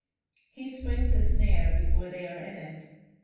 He springs his snare before they are in it.